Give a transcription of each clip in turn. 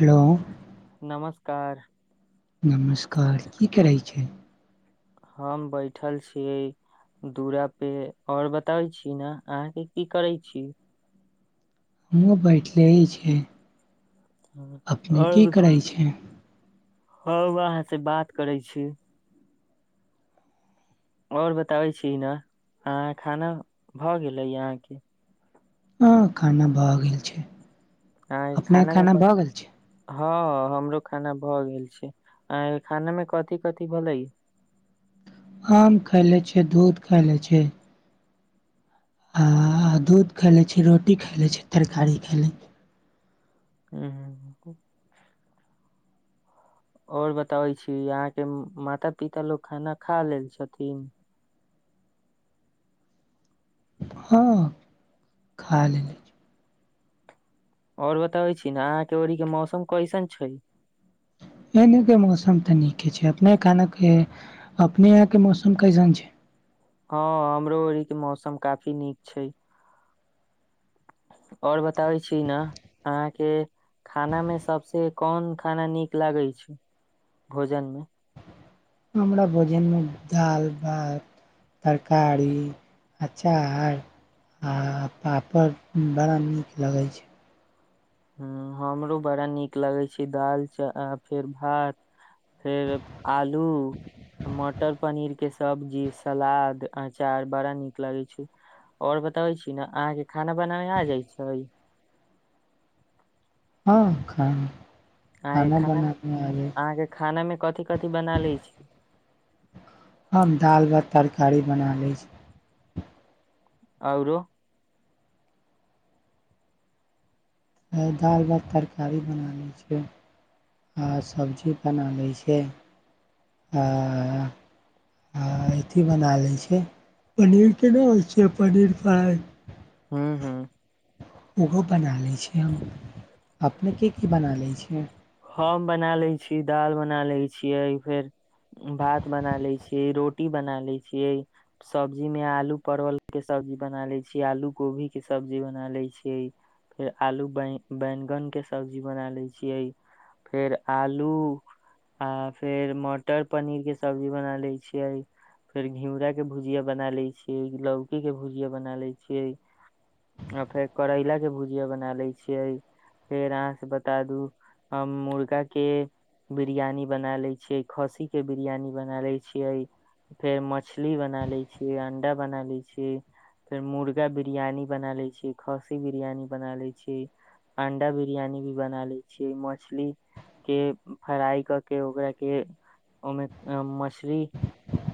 Hello नमस्कार नमस्कार की करै छी हम बैठल छीयै दूरा पे और बताबै छी ने अहाँके की करै छी हमहुॅं बैठलेई छिय अपने की करै छै ह वहाँ से बात करै छी आओर बताबै छी न आहा खाना भए गेलै अहाँके हँ खाना भए गेल छै अहाँ अपनेके मे खाना क- भए गेल छै हँ हमरो खाना भऽ गेल छै खाना में कथी कथी भेले आम खाय ले छै दूध खाय ले छै आ दूध खा ले छी रोटी खा ले छी तरकारी ख ले ह खू और बताबै छी आहा के माता पिता लोग खाना खा लेल छथिन हँह् खा लेली और बताबै छी ने अहाँ के ओरी के मौसम कैसन छै एने के मौसम तऽ नीके छै अपने खान के अपने यहा के मौसम कैसन छै हँ हमरो ओरी के मौसम काफी नीक छै आओर बताबै छी ने अहाँके खाना मे सबसे कोन खाना नीक लागै छै भोजन मे हमरा भोजन में दाल भात तरकारी अचार आ पापड़ बड़ा नीक लगै छै ह हमरो बड़ा नीक लगै छै दालि च आ फेर भात फेर आलू मटर पनीर के सब्जी सलाद अचार बड़ा नीक लागै छै और बताबै छी ने अहाँ के खाना बनाये आ जाय छै हँ खाना अहाँके खाना मे बनाब अबै अहाँके खाना मे कथि कथि बना ले छै हम दाल भात तरकारी बना लै छी औरो दाल भात तरकारी बना लै छियै आ सब्जी बना लै छै आ आ अथी बना लै छै पनीर केना होइ छै पनीर फ्राइ हूंम्म हुं ओहो बना लै छियै हम अपनेके की की बना लै छिय हम बना लै छि दाल बना लै छियै फेर भात बना लै छियै रोटी बना लै छियै सब्जी मे आलू परवल के सब्जी बना ले छियै आलू कोभी के सब्जी बना ले छियै फेर आलू बै बैगन के सब्जी बना ले छियै फेर आलू आ फेर मटर पनीर के सब्जी बना ले छियै फेर घिउराके भुजिया बना लै छियै लौकीके भुजिया बना लै छियै आ फेर करैला के भुजिया बना ले छियै फेर अहाँ से बता दू हम मुर्गा के बिरियानी बना ले छियै खस्सी के बिरियानी बना लै छियै फेर मछली बना लै छियै अंडा बना लै छियै फेर मुर्गा बिरियानी बना लै छियै खस्सी बिरियानी बना लै छियै अंडा बिरियानी भी बना लै छियै मछली के फ्राइ करके ओकरा के ओहिमे मछली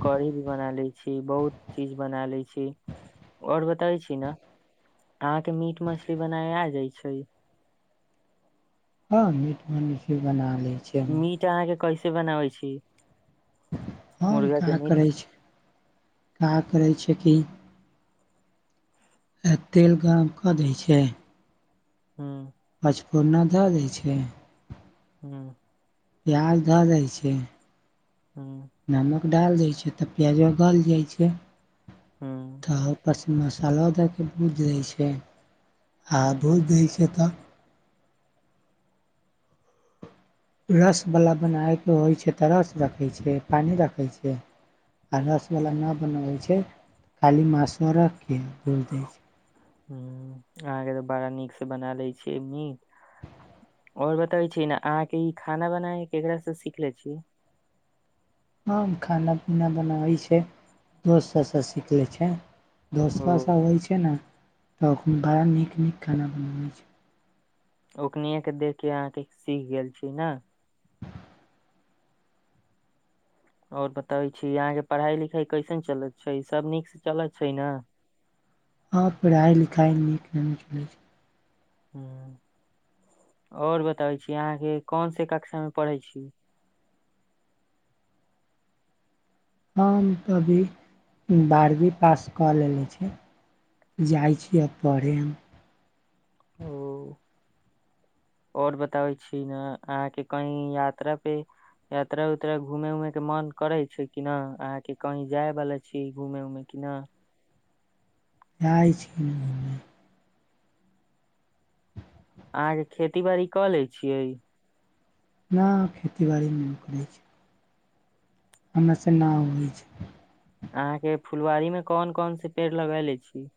कढ़ी भी बना लै छी बहुत चीज बना लै छी और बताबै छी ने अहाँके मीट मछली बनाय आ जाइ छै हँ मीट मनी [unintelligible] बना ले छी मीट अहाँके कैसे बनाबै छी हम मुर्गा का के मीट करै छियै का करै छै की तेल गरम कऽ दै छै हँ [inaudible] पचफोरना धए दै छै हूंम्म प्याज धऽ दै छै हूंम्म नमक डाल दै छै तऽ प्याजबा गलि जाइ छै हूंम्म तऽ ओपरसँ मसालो दएके भुजि दै छै आ ह भुजि दै छै तऽ रसवला बनाइके होइ छै तऽ रस रखै छियै पानि रखै छियै आ रसवला नहि बनबै छै खाली मास रखके भूज दैत छियै हूंम्म अहाँके तऽ बड़ा नीक से बना ले छियै मीट आओर बताबै छी ने अहाँके ई खाना बनाय केकास से सीखले छी ह खाना पीना बनाबै छै दोस्त सबसँ सीख ले छै ओ दोस्तसभ अबइत छै ने तऽ बड़ा नीक नीक खाना बनबैत छै ओकनिये के देख के अहाँके सीख गेल छियै ने और बताबै छी यहाँ के पढ़ाइ लिखाइ कैसन चलैत छै सब नीक से चलत छै ने हँ पढ़ाइ लिखाइ नीक नहि चलै छै हूंम्म आओर बताबै छी अहाँके कोन से कक्षा मे पढ़ै छी हम तऽ अभी बारहवीं पास कऽ लेने छी जाइ छिए पढ़ै हम ओ आओर बताबै छी ने अहाँके कहीं यात्रा पे यात्रा उातरा घूमे ऊमे के मन करे छै किना अहाँके कहीं जाय वाला छी घूमे उऊमे किना जाइ छी घुमे अहाँ के खेती बाड़ी कऽ ले छियै नहि खेती बाड़ी नहि करै छै हमरा से न होइ छै अहाँं के फुलवारी मे कौन कौन से पेड़ लगैले छी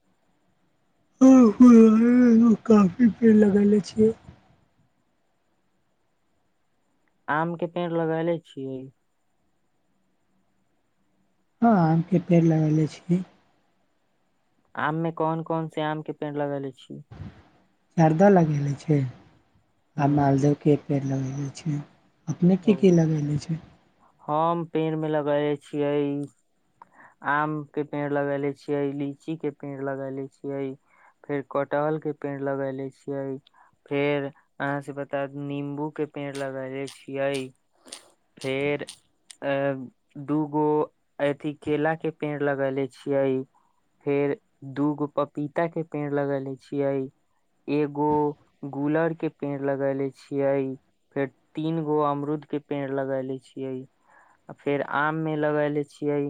आ काफी पेड़ लगेले छिये आम के पेड़ लगेले छियै हँ आम के पेड़ लगेले छी आम मे कौन कौन से आम के पेड़ लगेले छी जर्दा लगेले छै आ ह मालदहके पेड़ लगेले छै अपने की की ओ लगेले हम पेड़ मे लगेले छियै आम के पेड़ लगेले छियै लीची के पेड़ लगेले छियै फेर कटहल के पेड़ लगेले छियै फेर अहाँ से बता दू नींबू के पेड़ लगैले छियै फेर अ दूगो अथि केला के पेड़ लगेले छियै फेर दूगो पपीता के पेड़ लगेेले छियै एगो गूलर के पेड़ लगेले छियै फेर तीन गो अमरुद के पेड़ लगाले छियै फेर आम मे लगले छियै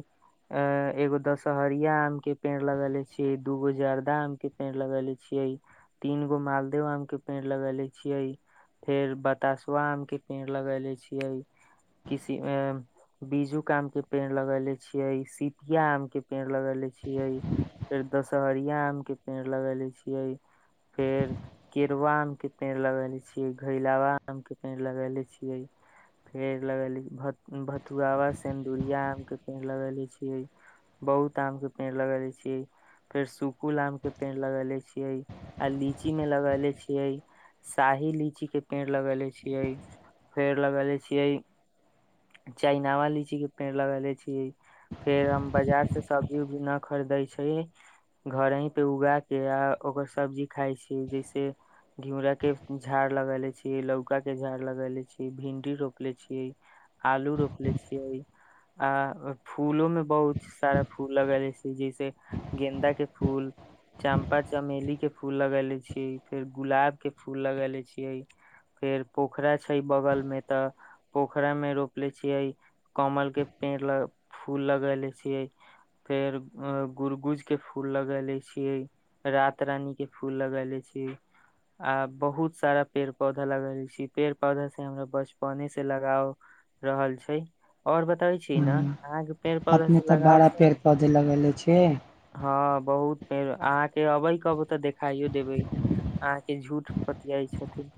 अ एगो दशहरिया आम के पेड़ लगेले छी दूगो जर्दा आम के पेड़ लगेले छियै तीन गो मालदाह आम के पेड़ लगेले छियै फेर बतासुआ आम के पेड़ लगेेले छियै किसी अ [unintelligible] बीजूक आम के पेड़ लगेले छियै सिपिया आम के पेड़ लगेले छियै फेर दशहरिया आम के पेड़ लगैले छियै फेर केड़वा आम के पेड़ लगेले छियै घैलावा आम के पेड़ लगेले छियै फेड़ लगैलि भथ-भथुआवा सिन्दुरिया आम के पेड़ लगेले छियै बहुत आम के पेड़ लगेले छियै फेर सुकुल आम के पेड़ लगेले छियै आ लीची मे लगेले छियै शाही लीची के पेड़ लगेले छियै फेड़ लगेले छियै चाइनावा लीची के पेड़ लगेले छियै फेर हम बाजार से सब्जी उब्जी नहि खरीदै छी घर ही पे उगा के आ ओकर सब्जी खाय छी जैसे घिउरा के झाड़ लगेले छी लौका के झाड़ लगेले छी भिंडी रोप रोपले छियै आलू रोपले छियै आ फूलो मे बहुत सारा फूल लगेले छै जैसे गेन्दा के फूल चम्पा चमेली के फूल फूल लगेले छियै फेर गुलाब के फूल लगेले छियै फेर पोखरा छै बगल मे तऽ पोखरा मे रोपले छियै कमल के पेड़ लऽ फूल लगेले छियै फेर गुुरगुज के फूल लगेले छियै रात रानी के फूल लगैले छी आ बहुत सारा पेड़ पौधा लगेले छी पेड़ पौधा से हमरा बच पहने से लगाव रहल छै और बताबै छि ने हँ अहाँके पेड़ पौधा से लगाव छै जे लगैले छियै [unintelligible] हँ बहुत पेर अहाँके अबै कहबो तऽ देखाइयो देबै अहाँके झूठ पतियाइ छथिन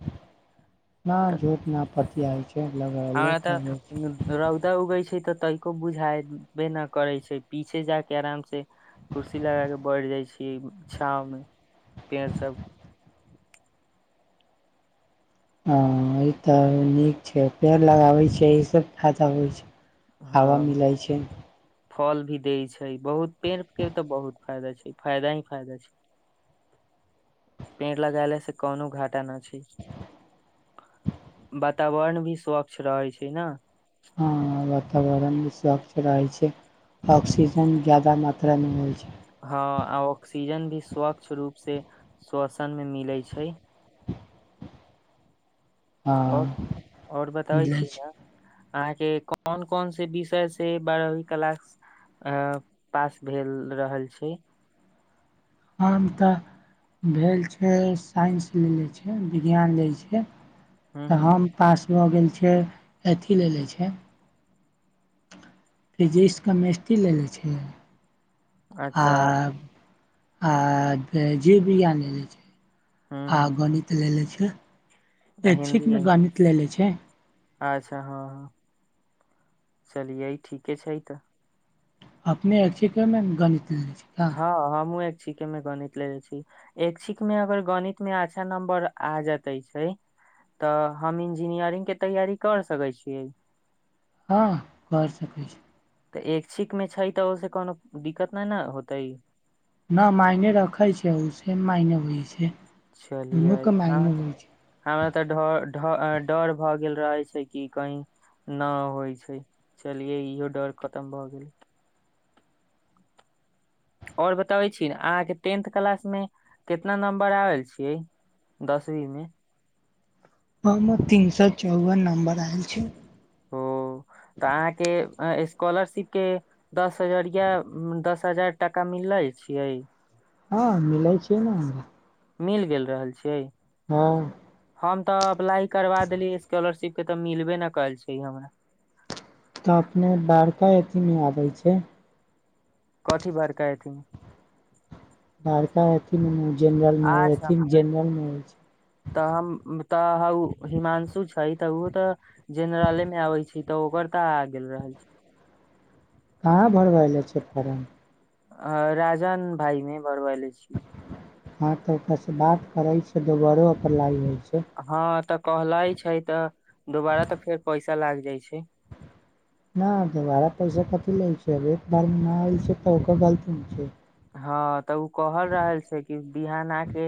ना तऽ झुठ ना पतियाइ छै लग रहले करै छै रौऽदा उगै छै तऽ तैनको बुझायबे न करै छै पीछे जा के आराम से कुर्सी लगा के बैठ जाय छियै छाव मे पेड़ सब हँ ई तऽ नीक छै पेड़ लगाबैत छिय एहिसँ फायदा होइ छै हवा हँ मिलय छै फल भी दै छै बहुत पेड़ के तऽ बहुत फायदा छै फायदा ही फायदा छै पेर लगेले से कौनो घाटा न छै वातावर्ण भी स्वच्छ रहै छै ने ह वातावरण भी स्वच्छ रहे छै ऑक्सीजन जायदा मात्रा मे होइ छै हँ ऑक्सीजन भी स्वच्छ रूप से श्वसन मे मिले छै और हँ और बताबै मिलै छि छै ने अहाँके कोन कोन से विषय से बारहवीं क्लास अ पास भेल रहल छी हम तऽ भेल छै साइंस लेले छै विज्ञान लेल छै ह तऽ ह हम पास भऽ गेल छियै अथि लेले छै फिजिक्स कमेस्ट्री लै ले छि अच्छा आऽ आ जीव विज्ञान लेलै छै ह आ ह गणित लेलै छै आ हिन्दी एक्छिक में गणित इंग्लिश ले ले छै अच्छा हँ हँ चलियै ठीके छै इ तऽ अपने एक्छिके में गणित लने छीयै हँ हमहुँ एक्छिके मे गणित लेने छी इक्छिक मे अगर गणित मे अच्छा नंबर आ जातै छै तऽ हम इंजीनियरिंग के तैयारी कर सकै छियै हँ कऽ सकैत छी तऽ एक्छिक में छै तऽ ओहिस कोनो दिक्कत नहि न होतै न मायने रखे छै ओ से मायने होइ छै छलियै दुनू के हँ मायने होइ छै हमरा तऽ ढऽ ढऽ डर भए गेल रहे छै कि कही न होइ छै चलिये इहो डर खतम भऽ गेल और बताबे छी अहाँ के टेंथ क्लास में कितना नंबर आल छी दसवीं मे हम तीन सए चौवन नम्बर आएल छी ओ तऽ अहाँके स्कॉलरशिप के दस हजरिया दस हजार टाका मिलले छियै हँ मिलै छै ने हमरा मिल गेल रहल छियै हँ हम तऽ अप्लाई करबा देलियै स्कॉलरशिप के तऽ मिलबे ने कयल छै हमरा तऽ अपने बड़ता अथीमे आ जाय छै कथी बारका अथि में लड़का एथिन जेनरल में अच्छा एथीन जेनरल मे हो छै तऽ हम तऽ उ हिमांशु छै तऽ ओ तऽ जेनरले में आबै छै तऽ ओकर तऽ आ गेल रहल छै कहाँ भरबैले छै फारम अ राजान भाई मे भरबैले छी ह त ओकर से बात करै छै दोबारो अप्लाय होइ छै हँ, तऽ कहला छै तऽ दोबारा तऽ फेर पैसा लाग जाइ छै। न, तऽ बड़ा पैसा कति लै छै, एक बार न आएल छै तऽ ओकर गलती छै। हँ, तऽ उ कहल रहल छै कि बिहान आ कऽ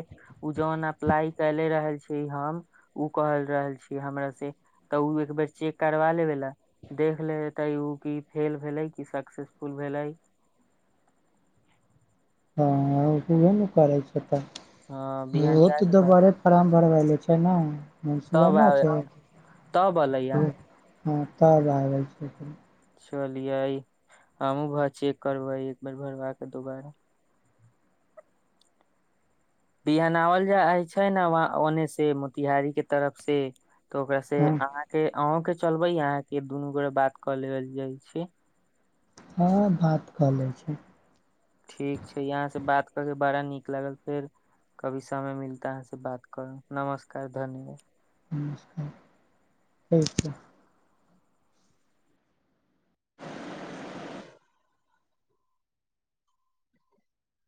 उ जे अप्लाई केने रहल छी। से हम ओ कहल रहल छियै, हमरा से तऽ ओ एक बेर चेक करबा लेल। देख लेतै, ओ कि फेल भेलै कि सक्सेसफुल भेलै। हँ, ओह ने करै छै ह तऽ बिहान ओहो जाय तऽ के बाद दोबारे फारम भरबै लेल छै ने, मुँह तब आ नहि छै। तब अलै अहाँ हँ, तऽ आब गेल छै। चलियै, हमहूँ जा कऽ चेक करबै एक बेर भरबाके दोबारा। बिहानो गेल जाइ छै ने, ओ ओन्ने सँ मोतिहारीक तरफसँ। तऽ ओकरासँ हँ अहाँके, अहाँके चलबै, अहाँके दुनू गोटे बात कऽ लेले जाइ छी। सभ बात कऽ लै छै। ठीक छै, एतऽसँ बात कऽके बड़ा नीक लागल फेर। कहियो समय भेटत तऽ अहाँसँ बात करब। नमस्कार, धन्यवाद। नस्कार, ठीक छै।